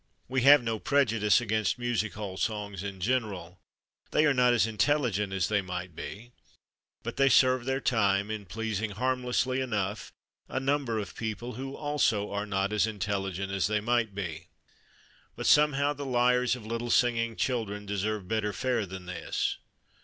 We have no prejudice against music hall songs in general. They are not as intelligent as they might be, but they serve their time in pleasing, harmlessly enough, a number of people who also are not as intelligent as they might be. But somehow the lyres of little singing children deserve better fare than this.